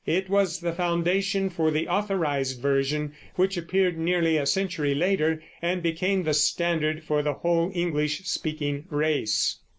It was the foundation for the Authorized Version, which appeared nearly a century later and became the standard for the whole English speaking race.